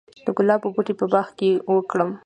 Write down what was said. د ګلابو بوټي په باغ کې وکرم؟